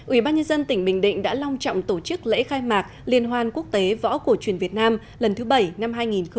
ủy ban nhân dân tỉnh bình định đã long trọng tổ chức lễ khai mạc liên hoan quốc tế võ cổ truyền việt nam lần thứ bảy năm hai nghìn một mươi chín